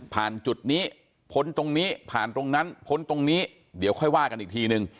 จุดนี้พ้นตรงนี้ผ่านตรงนั้นพ้นตรงนี้เดี๋ยวค่อยว่ากันอีกทีนึง